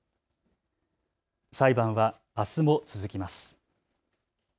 裁判はあすも続きます。